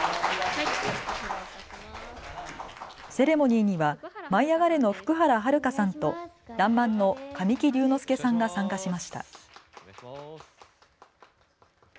セレモニーには舞いあがれ！の福原遥さんとらんまんの神木隆之介さんが参加しました。